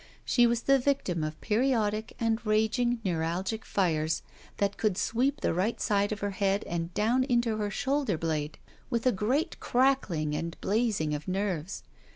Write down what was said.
She was the victim of periodic and ragitfg neuralgic fires that could sweep the right side of her head and down into her shoulder blade with a great crack ling and blazing of nerves.